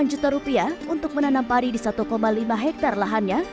delapan juta rupiah untuk menanam pari di satu lima hektare lahannya